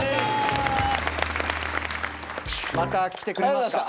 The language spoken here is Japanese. また来てくれますか？